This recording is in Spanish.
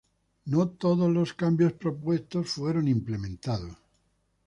No todos los cambios propuestos fueron implementados.